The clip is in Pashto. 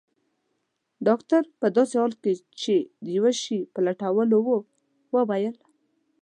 ډاکټر په داسې حال کې چي د یو شي په لټولو وو وویل.